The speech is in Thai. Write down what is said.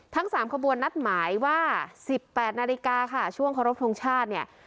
ทั้งสามขบวนนัดหมายว่าสิบแปดนาฬิกาค่ะช่วงครบทรงชาติเนี่ย